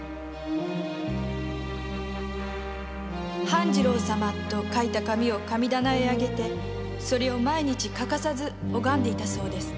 半次郎様と書いた紙片を神棚へ上げてそれを毎日欠かさず拝んでいたそうです